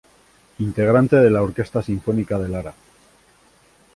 Integrante de la Orquesta Sinfónica de Lara.